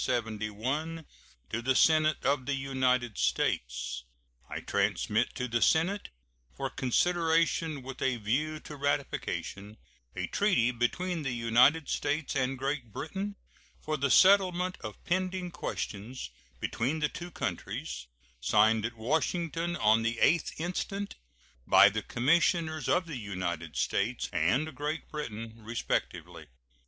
To the Senate of the United States: I transmit to the Senate, for consideration with a view to ratification, a treaty between the United States and Great Britain for the settlement of pending questions between the two countries, signed at Washington on the 8th instant by the commissioners of the United States and Great Britain, respectively.